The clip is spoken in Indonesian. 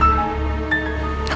ada atau enggak